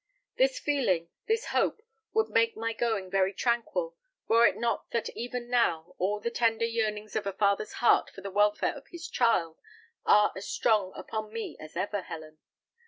This feeling, this hope, would make my going very tranquil, were it not that even now all the tender yearnings of a father's heart for the welfare of his child are as strong upon me as ever, Helen.